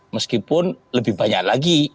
meskipun lebih banyak lagi